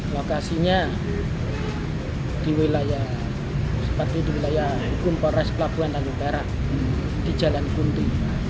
lokasinya di wilayah seperti di wilayah hukum polres pelabuhan lantai barat di jalan kunti